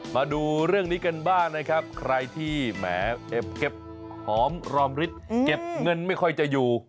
มาดูเรื่องนี้กันบ้างนะครับใครที่แหมเก็บหอมรอมฤทธิ์เก็บเงินไม่ค่อยจะอยู่